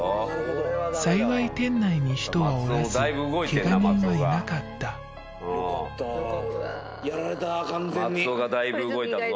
幸い店内に人はおらずケガ人はいなかったよかったやられた完全に松尾がだいぶ動いたぞ